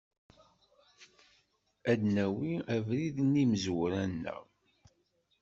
Ad nawi abrid n yimezwura-nneɣ.